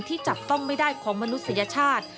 ที่จับต้องไม่ได้ของมนุษยชาติ